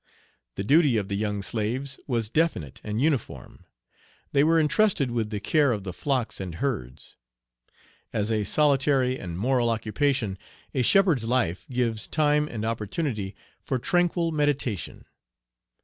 The duty of the young slaves was definite and uniform. They were intrusted with the care of the flocks and herds. As a solitary and moral occupation, a shepherd's life gives time and opportunity for tranquil meditation.